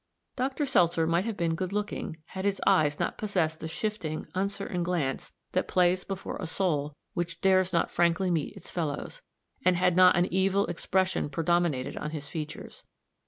Dr. Seltzer might have been good looking had his eyes not possessed the shifting, uncertain glance that plays before a soul which dares not frankly meet its fellows, and had not an evil expression predominated on his features.